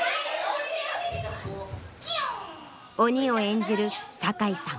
鬼を演じる酒井さん